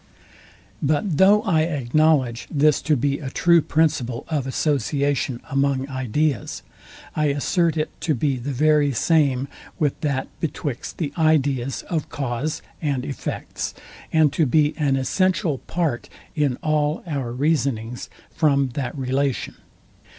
But though I acknowledge this to be a true principle of association among ideas, I assert it to be the very same with that betwixt the ideas of cause and effects and to be an essential part in all our reasonings from that relation.